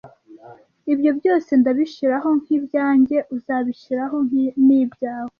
Ibyo byose ndabishiraho nkibyanjye uzabishiraho nibyawe,